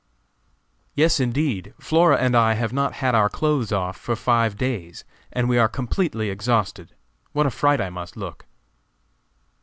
"Yes, indeed? Flora and I have not had our clothes off for five days, and we are completely exhausted; what a fright I must look!"